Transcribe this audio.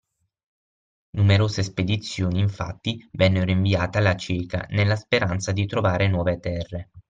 Numerose spedizioni, infatti, vennero inviate alla cieca, nella speranza di trovare nuove terre.